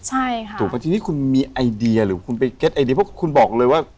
ใช่ค่ะถูกปะทีนี้คุณมีไอเดียหรือคุณไปเก็ตไอเดียเพราะคุณบอกเลยว่า